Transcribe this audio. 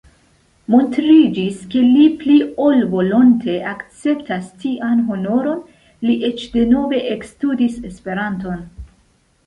Montriĝis ke li pli ol volonte akceptas tian honoron: li eĉ denove ekstudis Esperanton.